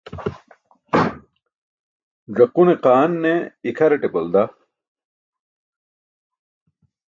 Ẓakune qaan ne ikʰaraṭe balda.